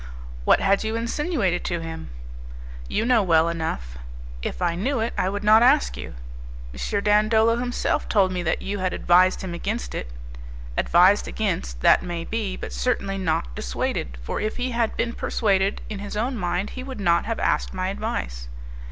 "What had you insinuated to him?" "You know well enough." "If I knew it, I would not ask you" "M. Dandolo himself told me that you had advised him against it." "Advised against, that may be, but certainly not dissuaded, for if he had been persuaded in his own mind he would not have asked my advice."